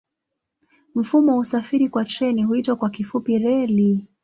Mfumo wa usafiri kwa treni huitwa kwa kifupi reli.